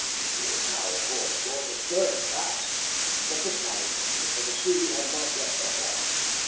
She was now, of course, going astern fast; but this mattered nothing, for the sea had not yet got up.